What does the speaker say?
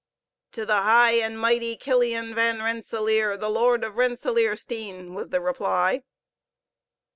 "To the high and mighty Killian Van Rensellaer, the lord of Rensellaersteen!" was the reply.